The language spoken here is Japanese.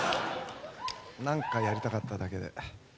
何かやりたかっただけで。